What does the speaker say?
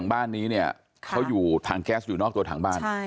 บ้านนี้เนี่ยเขาอยู่ถังแก๊สอยู่นอกตัวถังบ้าน